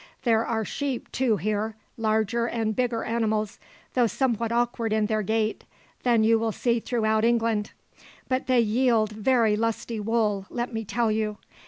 There are sheep too here: larger and bigger animals, though somewhat awkward in their gait, than you will see throughout England; but they yield very lusty wool, let me tell you.